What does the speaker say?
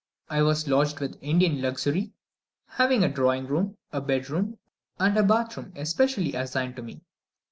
I was lodged with Indian luxury, having a drawing room, a bed room, and a bath room especially assigned to me.